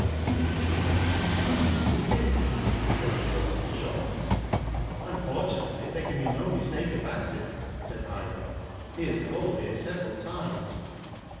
" Impossible ! you must be mistaken," said Flora, shocked. " Unfortunately, there can be no mistake about it," said Ida. "He has called here several times."